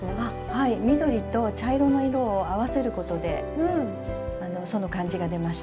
はい緑と茶色の色を合わせることでその感じが出ました。